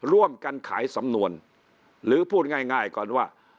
ร่วมกันขายสำนวนหรือพูดง่ายก่อนว่า